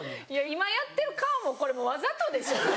今やってる顔もこれもうわざとでしょ。